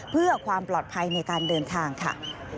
เพื่อความปลอดภัยในการเดินทางค่ะ